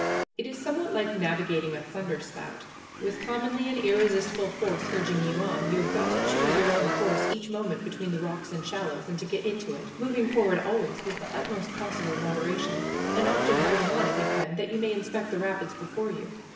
It is somewhat like navigating a thunder spout. With commonly an irresistible force urging you on, you have got to choose your own course each moment between the rocks and shallows, and to get into it, moving forward always with the utmost possible moderation, and often holding on, if you can, that you may inspect the rapids before you.